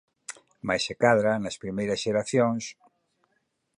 Máis se cadra nas primeiras xeracións...